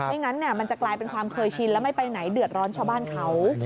งั้นมันจะกลายเป็นความเคยชินแล้วไม่ไปไหนเดือดร้อนชาวบ้านเขา